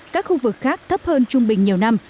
các khu vực khác thấp hơn trung bình nhiều năm